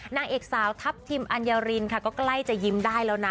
นางเอกสาวทัพทิมอัญญารินค่ะก็ใกล้จะยิ้มได้แล้วนะ